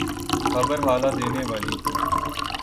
خبر ہلا دینے والی تھی۔